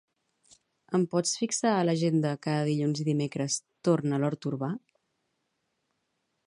Em pots fixar a l'agenda cada dilluns i dimecres "torn a l'hort urbà"?